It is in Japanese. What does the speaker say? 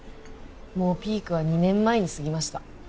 もうピークは２年前に過ぎました